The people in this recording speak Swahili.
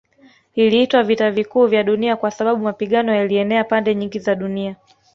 Iliitwa Vita Kuu ya Dunia kwa sababu mapigano yalienea pande nyingi za dunia